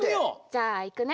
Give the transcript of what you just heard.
じゃあいくね。